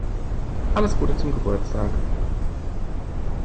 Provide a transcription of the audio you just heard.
Alles Gute zum Geburtstag!